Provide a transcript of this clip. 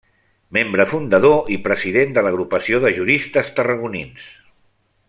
Membre fundador i president de l'Agrupació de Juristes Tarragonins.